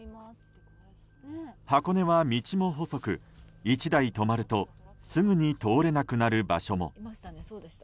箱根は道も細く１台止まるとすぐに通れなくなる場所も。